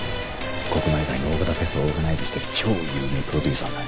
国内外の大型フェスをオーガナイズしてる超有名プロデューサーだ。